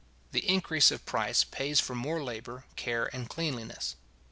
The increase of price pays for more labour, care, and cleanliness.